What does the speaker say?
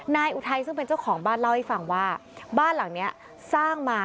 อุทัยซึ่งเป็นเจ้าของบ้านเล่าให้ฟังว่าบ้านหลังนี้สร้างมา